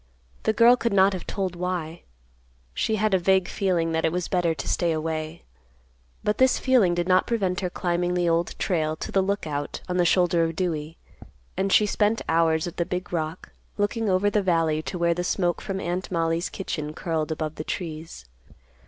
The girl could not have told why. She had a vague feeling that it was better to stay away. But this feeling did not prevent her climbing the Old Trail to the Lookout on the shoulder of Dewey, and she spent hours at the big rock, looking over the valley to where the smoke from Aunt Mollie's kitchen curled above the trees.